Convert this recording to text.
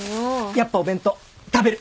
やっぱお弁当食べる。